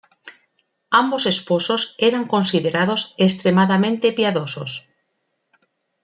Ambos esposos eran considerados extremadamente piadosos.